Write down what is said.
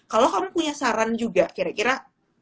kalau kamu punya saran juga kira kira